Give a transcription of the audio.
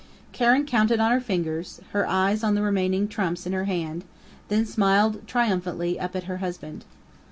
Karen counted on her fingers, her eyes on the remaining trumps in her hand, then smiled triumphantly up at her husband.